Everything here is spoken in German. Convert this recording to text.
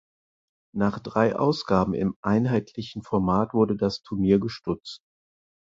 Nach drei Ausgaben im einheitlichen Format wurde das Turnier gestutzt.